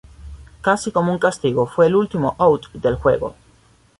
Casi como un castigo fue el último out del juego.